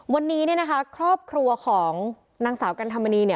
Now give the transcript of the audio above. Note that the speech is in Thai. วันนี้ครอบครัวของนางสาวกันธรรมนี